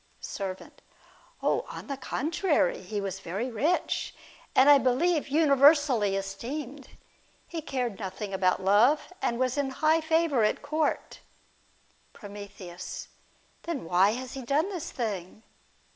Servant. On the contrary, he was very rich, and I believe universally esteemed. He cared nothing about love, and was in high favour at court. Prom. Then why has he done this thing